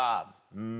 「うん」。